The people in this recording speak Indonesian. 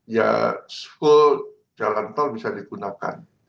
ya school jalan tol bisa digunakan